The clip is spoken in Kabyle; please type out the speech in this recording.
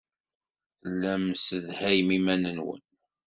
Tellam tessedhayem iman-nwen.